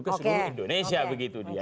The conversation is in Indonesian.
oke indonesia begitu itu